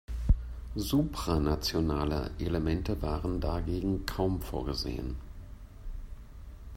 Supranationale Elemente waren dagegen kaum vorgesehen.